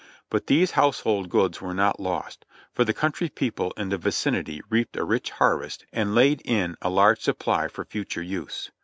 But these household goods were not lost, for the country people in the vicinity reaped a rich harvest and laid in a large supply for future use.